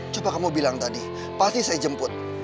coba kamu bilang tadi pasti saya jemput